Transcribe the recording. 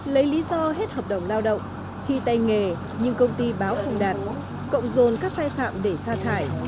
lấy lý do hết hợp đồng lao động khi tay nghề nhưng công ty báo không đạt cộng dồn các sai phạm để xa thải